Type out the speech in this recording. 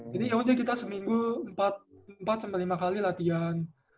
jadi yaudah kita seminggu empat lima kali latihan